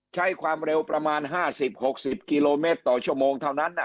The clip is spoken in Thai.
ใช้ความเร็วประมาณ๕๐๖๐กิโลเมตรต่อชั่วโมงเท่านั้น